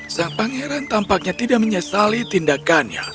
sang pangeran tampaknya tidak menyesali tindakannya